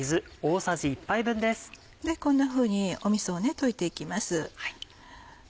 こんなふうにみそを溶いて行きます。